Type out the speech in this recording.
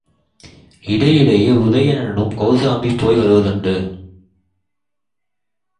இடைஇடையே உதயணனும் கௌசாம்பி போய் வருவதுண்டு.